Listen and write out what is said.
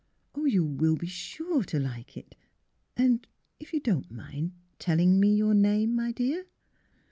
Oh, you will be sure to like it; and — if you don't mind telling me your name, my dear?